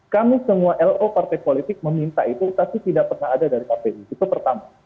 kami semua lo partai politik meminta itu tapi tidak pernah ada dari kpu itu pertama